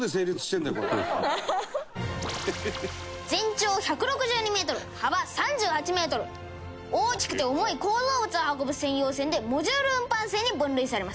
「全長１６２メートル幅３８メートル大きくて重い構造物を運ぶ専用船でモジュール運搬船に分類されます」